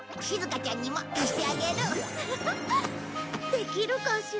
できるかしら。